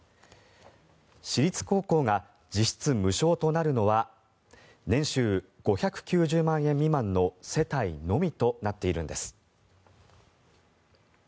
私立高校が実質無償となるのは年収５９０万円未満の世帯のみとなっているんです。